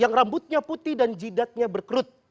yang rambutnya putih dan jidatnya berkerut